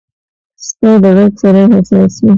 سپي د غږ سره حساس وي.